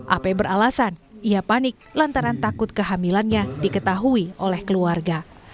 ap beralasan ia panik lantaran takut kehamilannya diketahui oleh keluarga